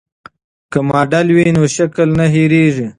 که ماډل وي نو شکل نه هېریږي.